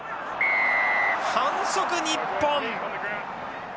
反則日本。